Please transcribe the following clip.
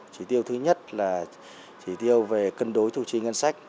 chỉ tiêu thứ nhất là chỉ tiêu về cân đối thủ trí ngân sách